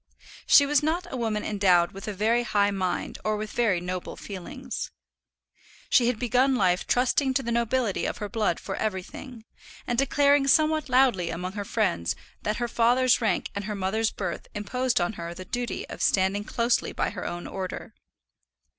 She was not a woman endowed with a very high mind or with very noble feelings. She had begun life trusting to the nobility of her blood for everything, and declaring somewhat loudly among her friends that her father's rank and her mother's birth imposed on her the duty of standing closely by her own order.